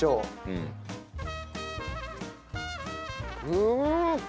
うん！